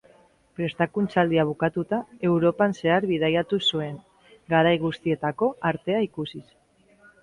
Prestakuntza-aldia bukatuta, Europan zehar bidaiatu zuen, garai guztietako artea ikusiz.